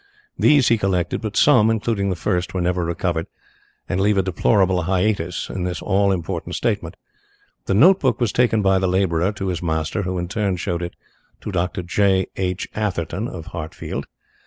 These he collected, but some, including the first, were never recovered, and leave a deplorable hiatus in this all important statement. The note book was taken by the labourer to his master, who in turn showed it to Dr. J. H. Atherton, of Hartfield.